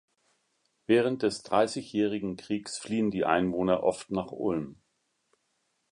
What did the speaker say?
Während des Dreißigjährigen Kriegs fliehen die Einwohner oft nach Ulm.